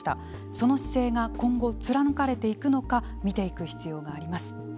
その姿勢が今後、貫かれていくのか見ていく必要があります。